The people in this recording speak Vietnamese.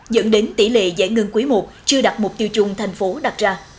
dẫn đến tỷ lệ giải ngân quý i chưa đạt mục tiêu chung thành phố đặt ra